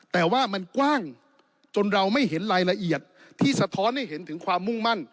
แต่ว่ามันกว้างจนเราไม่เห็นรายละเอียดที่สะท้อนให้เห็นถึงความมุ่งมั่น